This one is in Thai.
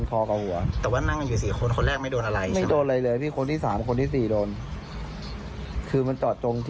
ส่วนอีกคนหนึ่ง